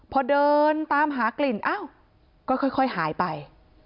พอเดินตามหากลิ่นอ้าวก็ค่อยหายไป